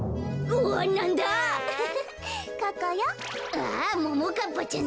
あももかっぱちゃん